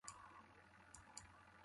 موں ٹُکبے اشپِلِی دہ مُزے یازِیاس۔